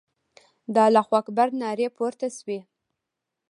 د الله اکبر نارې پورته سوې.